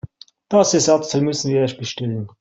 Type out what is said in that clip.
Das Ersatzteil müssten wir erst bestellen.